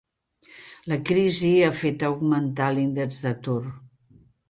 La crisi ha fet augmentar l'índex d'atur.